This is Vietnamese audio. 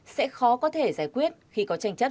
sẽ khó có thể giải quyết khi có tranh chấp